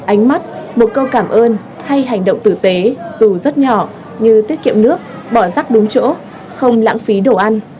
ánh mắt một câu cảm ơn hay hành động tử tế dù rất nhỏ như tiết kiệm nước bỏ rắc đúng chỗ không lãng phí đồ ăn